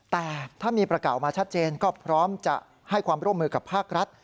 แต่ถ้ามีประกาศมาชัดเจนก็พร้อมจะให้ความร่วมมือกับภาครัฐ